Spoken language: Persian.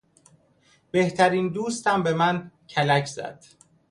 بهترین دوستم به من کلک زد.